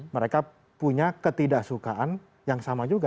mereka punya ketidaksukaan yang sama juga